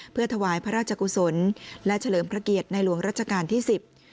เพื่อถวายพระราชกุศลและเฉลิมพระเกียรติในหลวงรัชกาลที่สิบ